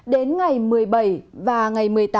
đến ngày một mươi bảy và ngày một mươi tám